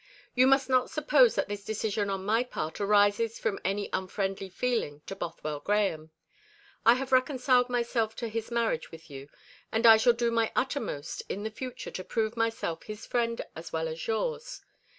You must not suppose that this decision on my part arises from any unfriendly feeling to Bothwell Grahame. I have reconciled myself to his marriage with you; and I shall do my uttermost in the future to prove myself his friend as well as yours.